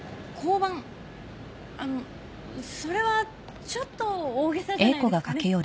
あのそれはちょっと大げさじゃないですかね。